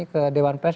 ke dewan pers